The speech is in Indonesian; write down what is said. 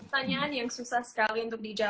pertanyaan yang susah sekali untuk dijawab